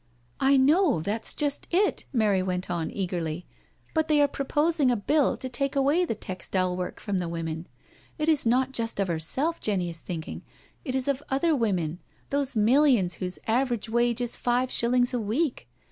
" I know, that's just it," Mary went on eagerly, " but they are proposing a Bill to take away the textile work from the women. And it is not just of herself Jenny is thinking; it b of other women — ^those millions whose average wage is five shillings a week.